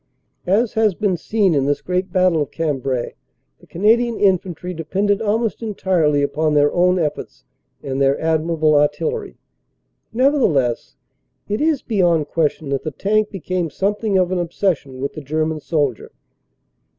As has been seen, in this great battle of Cambrai the Canadian infantry de pended almost entirely upon their own efforts and their admir able artillery. Nevertheless it is beyond question that the tank became something of an obsession with the German soldier.